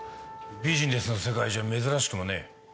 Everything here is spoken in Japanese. ビジネスの世界じゃ珍しくもねえ